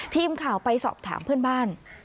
ทีมข่าวไปสอบถามเพื่อนบ้าน